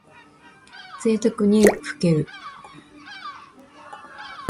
ぜいたくにふける。